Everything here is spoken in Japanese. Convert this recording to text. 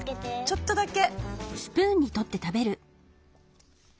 ちょっとだけ。